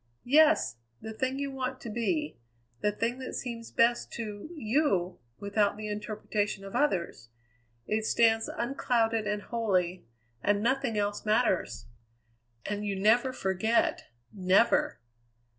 "Yes; the thing you want to be; the thing that seems best to you without the interpretation of others. It stands unclouded and holy; and nothing else matters." "And you never forget never!"